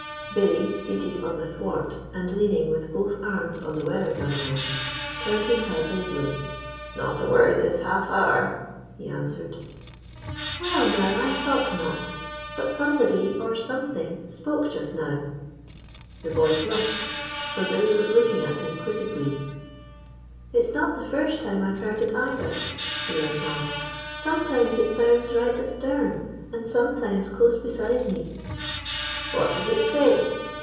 Billy, seated on the thwart and leaning with both arms on the weather gunwale, turned his head lazily. "Not a word this half hour," he answered. "Well now, I thought not; but somebody, or something spoke just now." The boy blushed, for Billy was looking at him quizzically. "It's not the first time I've heard it, either," he went on; "sometimes it sounds right astern, and sometimes close beside me." "What does it say?"